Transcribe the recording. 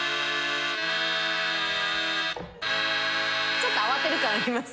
ちょっと慌てる感ありますね。